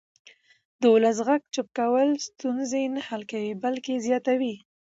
د ولس غږ چوپ کول ستونزې نه حل کوي بلکې زیاتوي